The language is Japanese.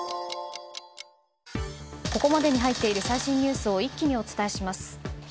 ここまでに入っている最新ニュースを一気にお伝えします。